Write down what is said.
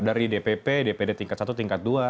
dari dpp dpd tingkat satu tingkat dua